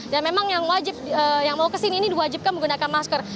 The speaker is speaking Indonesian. dan memang yang mau ke sini ini diwajibkan menggunakan masker